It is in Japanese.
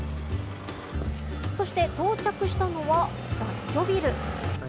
そして到着したのは雑居ビル。